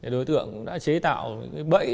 đối tượng đã chế tạo bẫy